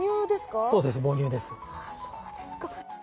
そうですか。